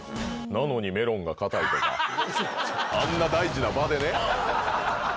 なのにメロンが硬いとか、あんな大事な場で。